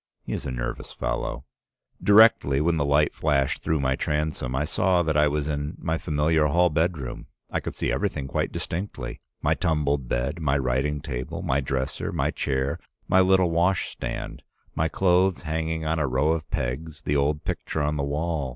He is a nervous fellow. "Directly, when the light flashed through my transom, I saw that I was in my familiar hall bedroom. I could see everything quite distinctly — my tumbled bed, my writing table, my dresser, my chair, my little wash stand, my clothes hanging on a row of pegs, the old picture on the wall.